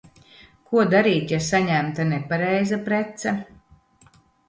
Ko darīt, ja saņemta nepareiza prece?